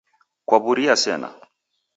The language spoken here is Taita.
Kawuria sena